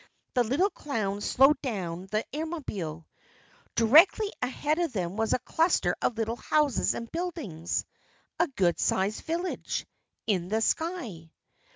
The little clown slowed down the Airmobile. Directly ahead of them was a cluster of little houses and buildings a good sized village in the sky.